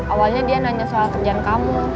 awalnya dia nanya soal kerjaan kamu